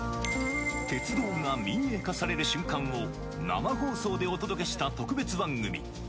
鉄道が民営化される瞬間を、生放送でお届けした特別番組。